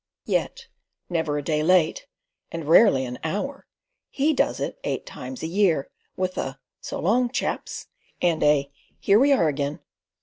Yet never a day late, and rarely an hour, he does it eight times a year, with a "So long, chaps," and a "Here we are again."